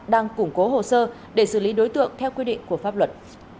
đang củng cố hồ sơ để xử lý đối tượng theo quy định của pháp luật